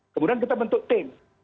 kemudian kita bentuk tim